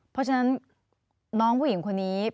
เพราะฉะนั้นน้องผู้หญิงคนนี้